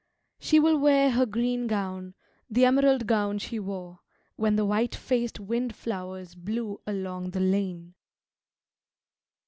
She will wear her green gown, the emerald gown she wore When the white faced windflowers blew along the lane.